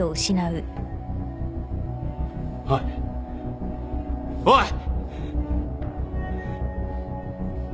おいおい！